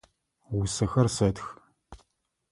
Усэхэр сэтхы.